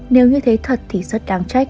nếu như thế thật thì rất đáng trách